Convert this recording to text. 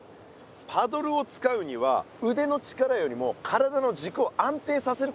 パドルを使うにはうでの力よりも体のじくを安定させることの方が大事なの。